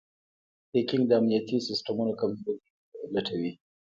هیکنګ د امنیتي سیسټمونو کمزورۍ لټوي.